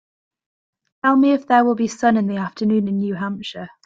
Tell me if there will be sun in the afternoon in New Hampshire